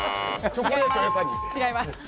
違います。